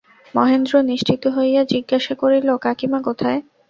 মহেন্দ্র নিশ্চিন্ত হইয়া জিজ্ঞাসা করিল, কাকীমা কোথায়।